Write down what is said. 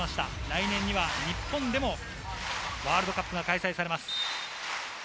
来年には日本でもワールドカップが開催されます。